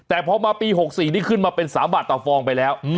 แต่พอมาปี๖๔นี้ขึ้นมาเป็น๓บาทต่อฟองไปแล้ว